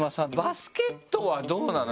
バスケットはどうなの？